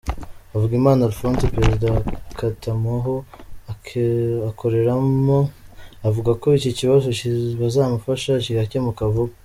Havugimana Alphonse perezida wa Cotamohu akoreramo, avuga ko iki kibazo bazamufasha kigakemuka vuba.